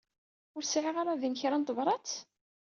Ur sɛiɣ ara din kra n tebrat?